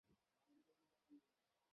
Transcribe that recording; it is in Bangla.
সম্পর্ক চিরন্তন, পার্থক্য যতই হোক না কেন।